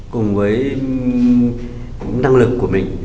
cùng với năng lực của mình